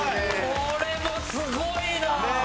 これもすごいな！